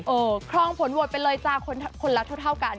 เออคลองผลโหดไปเลยจ๊ะคนละทั่วกัน๔๙